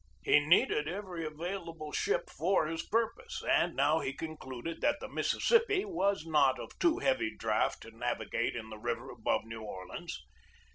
He needed every available ship for his purpose; and he now concluded that the Mississippi was not of too heavy draught to navigate in the river above New Orleans.